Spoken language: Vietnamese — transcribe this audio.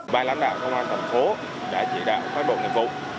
bài lãnh đạo công an tổng phố đã chỉ đạo các bộ nghiệp vụ